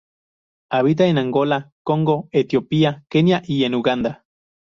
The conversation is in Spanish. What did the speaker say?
Habita en Angola, Congo, Etiopía, Kenia y en Uganda.